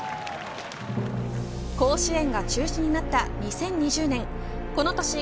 甲子園が中止になった２０２０年